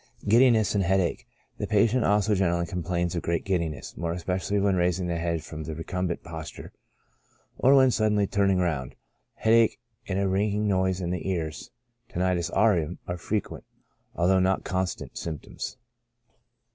Giddiness and Headache. — The patient also generally complains of great giddiness, more especially when raising the head from the recumbent posture, or when suddenly turning round ; headache and a ringing noise in the ears (tinnitus aurium) are frequent, although not constant, symp toms.